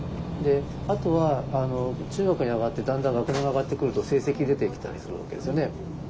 あとは中学に上がってだんだん学年が上がってくると成績出てきたりするわけですよね。